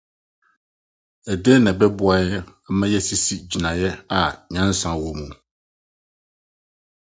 Dɛn na ɛbɛboa yɛn ama yɛasisi gyinae a nyansa wom?